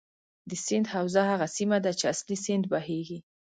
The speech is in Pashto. د سیند حوزه هغه سیمه ده چې اصلي سیند بهیږي.